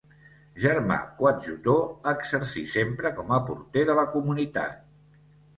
Germà coadjutor, exercí sempre com a porter de la comunitat.